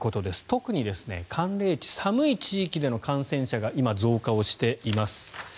特に寒冷地、寒い地域での感染者が今、増加しています。